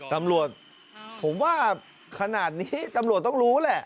ตำรวจผมว่าขนาดนี้ตำรวจต้องรู้แหละ